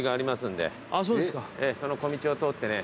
その小道を通ってね。